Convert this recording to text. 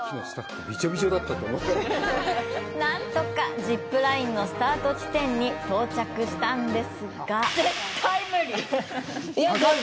なんとかジップラインのスタート地点に到着したんですが。